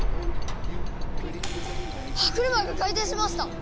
歯車が回転しました！